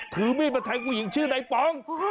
ถือมีดมาทำร้ายผู้หญิงชื่อพงง